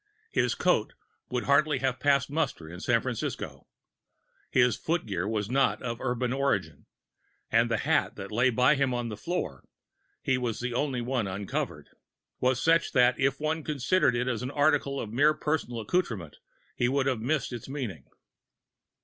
His coat would hardly have passed muster in San Francisco: his footgear was not of urban origin, and the hat that lay by him on the floor (he was the only one uncovered) was such that if one had considered it as an article of mere personal adornment he would have missed its meaning.